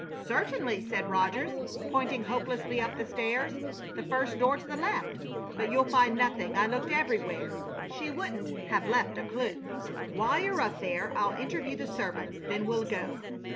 "Certainly," said Rogers, pointing hopelessly up the stairs; "the first door to the left. But you'll find nothing. I looked everywhere. She wouldn't have left a clue. While you're up there I'll interview the servants. Then we'll go."